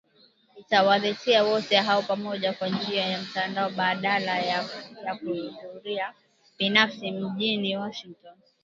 itawaleta wote hao pamoja kwa njia ya mtandao badala ya kuhudhuria binafsi mjini Washington